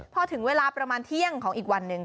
พอถึงเวลาประมาณเที่ยงของอีกวันหนึ่ง